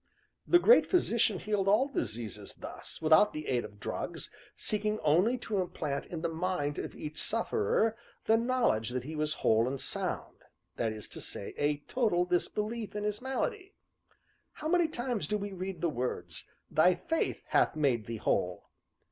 The Great Physician healed all diseases thus, without the aid of drugs, seeking only to implant in the mind of each sufferer the knowledge that he was whole and sound that is to say, a total disbelief in his malady. How many times do we read the words: 'Thy faith hath made thee whole'?